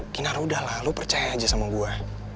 kinar udah lah lo percaya aja sama gue